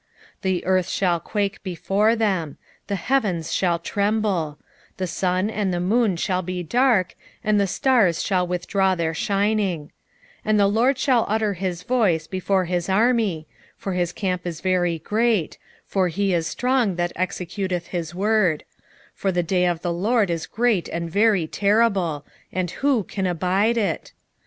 2:10 The earth shall quake before them; the heavens shall tremble: the sun and the moon shall be dark, and the stars shall withdraw their shining: 2:11 And the LORD shall utter his voice before his army: for his camp is very great: for he is strong that executeth his word: for the day of the LORD is great and very terrible; and who can abide it?